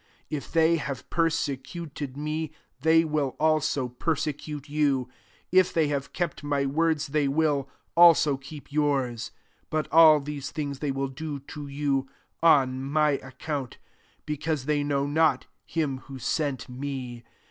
If they have persecuted me, they will also persecute jou : if they have kept my words, they will also keep yours. 21 But, all these things th^ will do to you, on my acconnt; because they know not him who sent me.